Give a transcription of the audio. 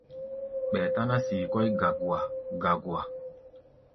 Ɓɛɛ táná sii kɔ́ʼí gagua-gagua.